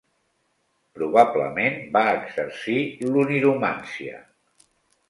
Probablement va exercir l'oniromància.